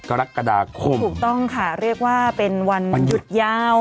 กรกฎาคมถูกต้องค่ะเรียกว่าเป็นวันหยุดยาว